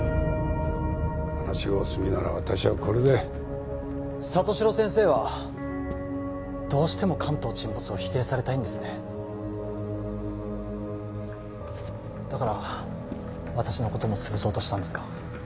話がお済みなら私はこれで里城先生はどうしても関東沈没を否定されたいんですねだから私のこともつぶそうとしたんですか？